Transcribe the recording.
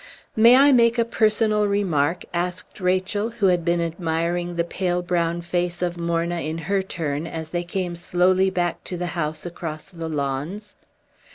"May I make a personal remark?" asked Rachel, who had been admiring the pale brown face of Morna in her turn, as they came slowly back to the house across the lawns.